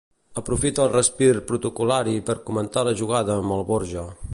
Aprofita el respir protocol·lari per comentar la jugada amb el Borja.